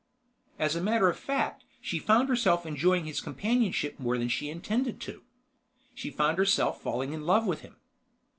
As a matter of fact, she found herself enjoying his companionship more than she intended to. She found herself falling in love with him.